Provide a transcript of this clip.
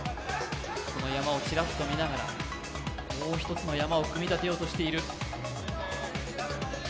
その山をちらっと見ながらもう一つの山を組み立てようとしている。